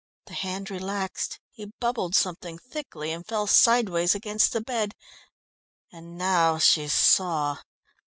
The hand relaxed; he bubbled something thickly and fell sideways against the bed. And now she saw.